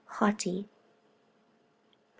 8. Haughty, Prov.